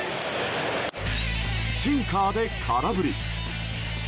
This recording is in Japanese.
シンカーで空振り。